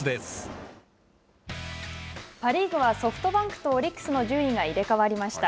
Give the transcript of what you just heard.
パ・リーグはソフトバンクとオリックスの順位が入れ代わりました。